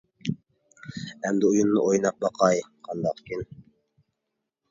ئەمدى ئويۇنىنى ئويناپ باقاي قانداقكىن؟ !